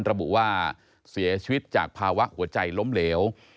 ระบุว่าเสียชีวิตจากภาวะหัวใจล้มเหลว